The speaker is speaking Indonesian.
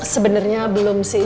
sebenernya belum sih